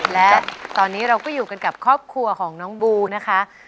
และตอนนี้เราก็อยู่กันกับครอบครัวของน้องบูนะคะ